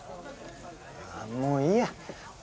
もういいや。